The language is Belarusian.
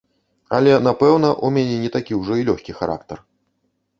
Але, напэўна, у мяне не такі ўжо і лёгкі характар.